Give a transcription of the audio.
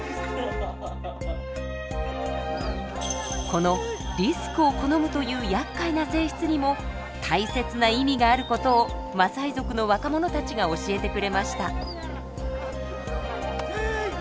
このリスクを好むというやっかいな性質にも大切な意味がある事をマサイ族の若者たちが教えてくれました。